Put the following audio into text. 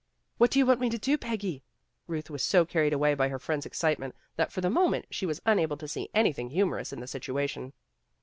"What do you want me to do, Peggy?" Euth was so carried away by her friend's excitement that for the moment she was unable to see any thing humorous in the situation.